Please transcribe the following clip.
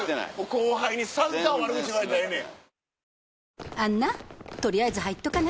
後輩に散々悪口言われたらええねん。